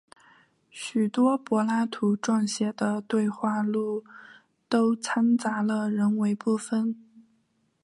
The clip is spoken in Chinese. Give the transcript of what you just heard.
许多柏拉图撰写的对话录都参杂了人为成分。